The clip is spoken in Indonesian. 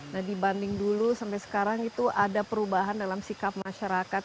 nah dibanding dulu sampai sekarang itu ada perubahan dalam sikap masyarakat